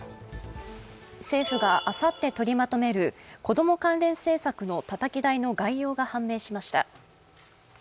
政府があさってとりまとめる子ども関連政策のたたき台の概要が判明しました。